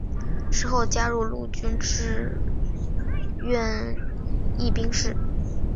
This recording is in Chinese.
之后加入陆军志愿役士兵。